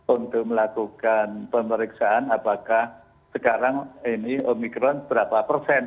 untuk melakukan pemeriksaan apakah sekarang ini omikron berapa persen